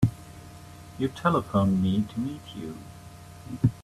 You telephoned me to meet you.